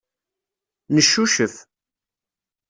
Neccucef.